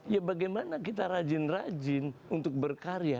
ya bagaimana kita rajin rajin untuk berkarya